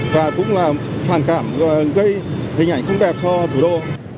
và cũng là phản cảm gây hình ảnh không đẹp so với thủ đô